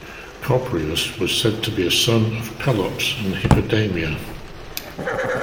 Copreus was said to be a son of Pelops and Hippodameia.